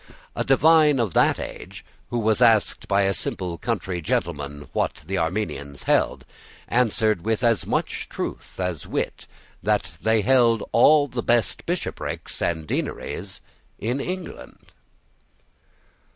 A divine of that age, who was asked by a simple country gentleman what the Arminians held, answered, with as much truth as wit, that they held all the best bishoprics and deaneries in England.